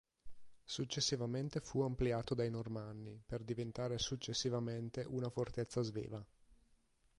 Successivamente fu ampliato dai Normanni per diventare successivamente una fortezza sveva.